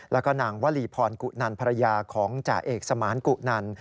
แล้วก็นางวลีพรกุนันภรรยาของจ่าเอกสมานกุนัน